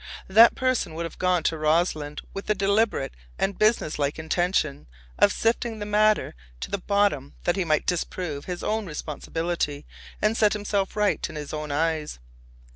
That person would have gone to Rossland with the deliberate and businesslike intention of sifting the matter to the bottom that he might disprove his own responsibility and set himself right in his own eyes.